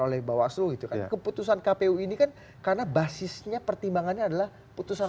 oleh bawah seluruh itu keputusan kpu ini kan karena basisnya pertimbangannya adalah putusan